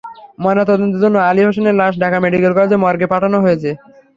ময়নাতদন্তের জন্য আলী হোসেনের লাশ ঢাকা মেডিকেল কলেজের মর্গে পাঠানো হয়েছে।